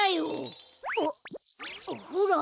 あっほら。